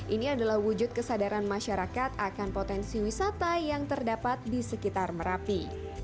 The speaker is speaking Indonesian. ini adalah wujud kesadaran masyarakat akan potensi wisata yang terdapat di sekitar merapi